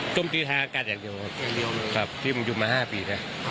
จมตีทางอากาศอย่างเดียวที่มุมยุมมา๕ปี